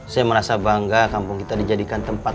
saya merasa bangga kampung kita dijadikan tempat